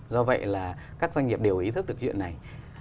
do vậy là các doanh nghiệp đều ý thức được chuyện này